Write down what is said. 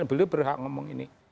beliau berhak ngomong ini